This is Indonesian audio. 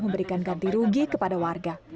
memberikan ganti rugi kepada warga